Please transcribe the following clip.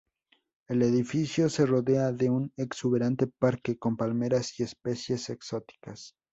El edificio se rodea de un exuberante parque, con palmeras y especies exóticas.